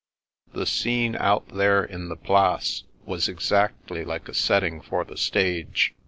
The scene out there in the Place was exactly like a setting for the stage.